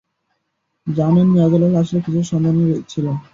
জানো ম্যেজালেন আসলে কীসের সন্ধানে ছিল?